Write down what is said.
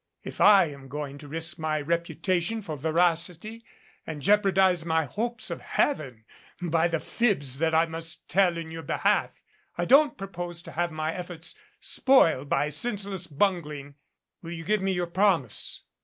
If I am going to risk my reputation for veracity and jeopardize my hopes of Heaven by the fibs that I must tell in your behalf, I don't propose to have my efforts spoiled by senseless bungling. Will you give me your promise